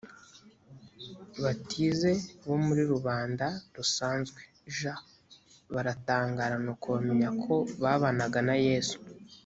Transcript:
batize bo muri rubanda rusanzwe j baratangara nuko bamenya ko babanaga na yesu